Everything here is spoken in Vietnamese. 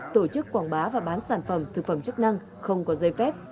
tổ chức quảng bá và bán sản phẩm thực phẩm chức năng không có dây phép